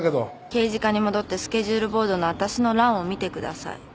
刑事課に戻ってスケジュールボードの私の欄を見てください。